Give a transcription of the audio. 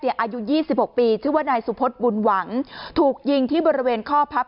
อายุ๒๖ปีชื่อว่านายสุพธิบุญหวังถูกยิงที่บริเวณข้อพับ